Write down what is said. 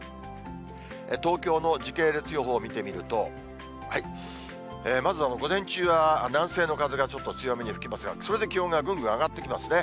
東京の時系列予報見てみると、まずは午前中は、南西の風がちょっと強めに吹きますが、それで気温がぐんぐん上がってきますね。